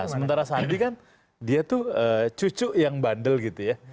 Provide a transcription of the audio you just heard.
sementara sandi kan dia tuh cucu yang bandel gitu ya